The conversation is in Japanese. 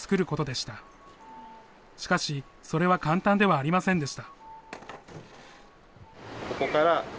しかしそれは簡単ではありませんでした。